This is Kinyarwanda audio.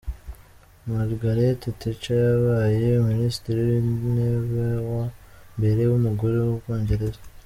Margaret Thatcher yabaye minisitiri w’intebewa mbere w’umugore w’ubwongereza.